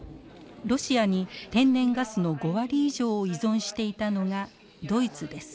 ロシアに天然ガスの５割以上を依存していたのがドイツです。